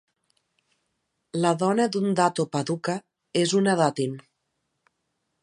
La dona d'un Dato Paduka és una "Datin".